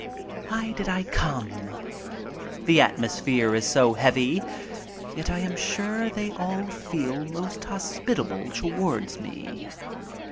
Why did I come? The atmosphere is so heavy, yet I am sure they all feel most hospitable toward me.